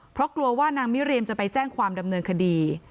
เพราะกลัวว่านางมิเรียมจะไปแจ้งความดำเนินคดี